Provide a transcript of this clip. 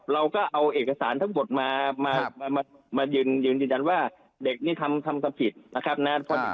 เราก็เอาเอกสารทั้งหมดมายืนยันว่าเด็กนี่ทำความผิดนะครับนะ